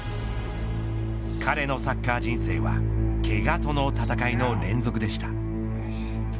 彼のサッカー人生はけがとの戦いの連続でした。